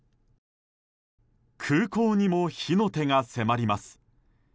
空港にも火の手が迫ります。